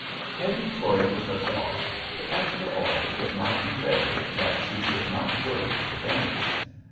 Hetty toyed with the thought that after all it might be better that she should not go to the dance.